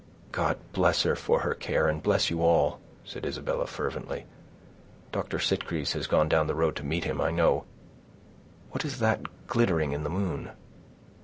"God bless her, for her care, and bless you all," said Isabella, fervently. "Dr. Sitgreaves has gone down the road to meet him, I know. What is that glittering in the moon?"